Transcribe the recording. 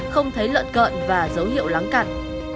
không thấy lợn cợn và dấu hiệu lắng cạn